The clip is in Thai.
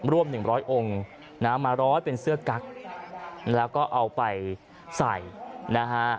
หนึ่งร้อยองค์นะมาร้อยเป็นเสื้อกั๊กแล้วก็เอาไปใส่นะฮะ